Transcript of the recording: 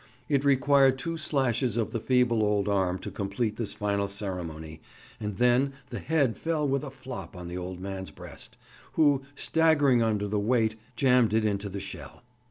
It required two slashes of the feeble old arm to complete this final ceremony, and then the head fell with a flop on the old man's breast, who, staggering under the weight, jammed it into the shell.